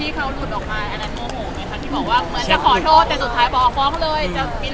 ที่บอกว่าเหมือนจะขอโทษแต่สุดท้ายบอกออกฟ้องเลย